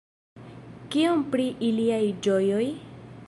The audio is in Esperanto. Kion pri iliaj ĝojoj?